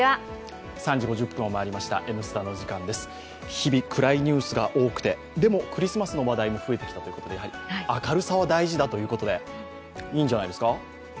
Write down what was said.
日々、暗いニュースが多くてでもクリスマスの話題も増えてきたということでやはり、明るさは大事だということでいいんじゃないですか？